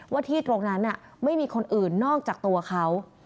ว่าที่ตรงนั้นไม่มีคนอื่นนอกจากตัวเขา